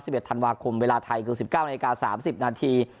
๑ธันวาคมเวลาไทยคือสิบเก้านาฬิกาสามสิบนาที